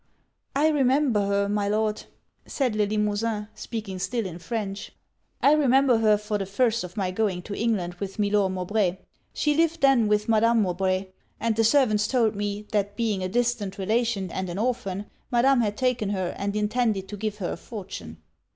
'I remember her, my Lord,' said Le Limosin, speaking still in French, 'I remember her from the first of my going to England with Milor Mowbray. She lived then with Madame Mowbray; and the servants told me, that being a distant relation and an orphan, Madame had taken her and intended to give her a fortune.